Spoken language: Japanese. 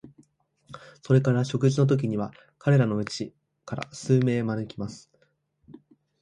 それから食事のときには、彼等のうちから数人招きます。もっともそのときには、普通の人間も、二三人ずつ立派な人を招くことにします。